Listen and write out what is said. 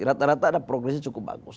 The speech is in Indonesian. rata rata ada progresnya cukup bagus